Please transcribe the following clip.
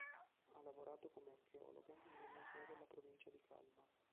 Ha lavorato come archeologa in un museo della provincia di Kalmar.